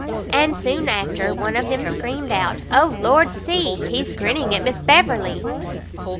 And soon after, one of them screamed out "O Lord, see! he's grinning at Miss Beverley!"